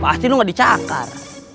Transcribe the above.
pasti lu gak dicakar